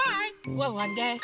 ワンワンです！